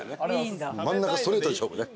真ん中ストレートで勝負ね。